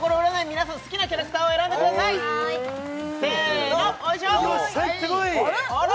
皆さん好きなキャラクターを選んでくださいせーのよいしょあれ？